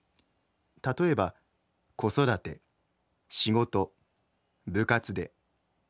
例えば子育て仕事部活で。